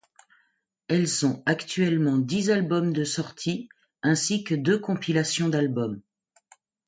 Elles ont actuellement dix albums de sortis ainsi que deux compilations d'album.